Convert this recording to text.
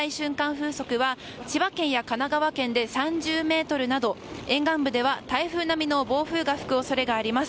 風速は千葉県や神奈川県で３０メートルなど、沿岸部では台風並みの暴風が吹く恐れがあります。